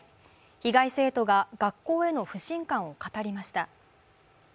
被害生徒が、学校への不信感を語りました。